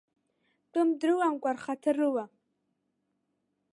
Тәым дрыламкәа рхаҭа рыла.